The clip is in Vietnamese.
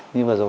như vừa rồi